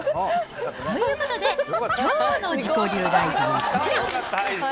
ということで、きょうの自己流ライフはこちら。